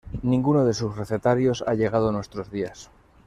Ninguno de sus recetarios ha llegado a nuestros días.